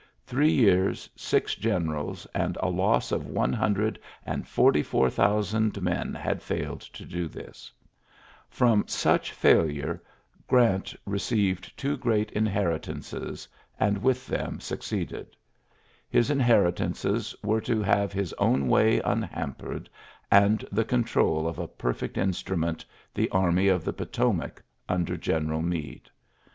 Three year^ six generals, and a loss of one hundred and forty four thousand men had £Edled to do this. From such failure Grant re iioiary ,^oi 1 cr 102 TJLTSSES S. GEANT ceived two great inheritances, and wil them succeeded. His inheritances w« to have his own way unhampered ac the control of a perfect instrument^ il army of the Potomac under Gener Meade.